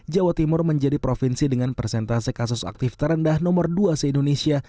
jawa timur menjadi provinsi dengan persentase kasus aktif terendah nomor dua se indonesia